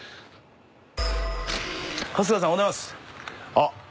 あっ。